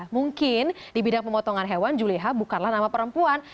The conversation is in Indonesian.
mungkin di bidang pemotongan hewan juleha bukanlah nama perempuan